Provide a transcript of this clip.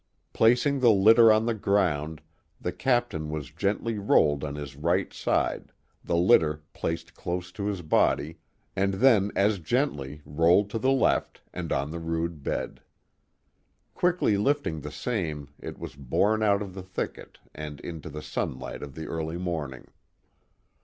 Placing the litter on the ground, the captain was gently rolled on his right side, the litter placed close to his body, and then as gently rolled to the left and on to the rude bed. Quickly lifting the same it was borne out of the thicket and into the sunlight of the early morning.